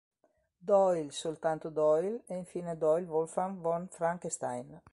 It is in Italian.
Doyle, soltanto Doyle ed infine Doyle Wolfgang Von Frankenstein.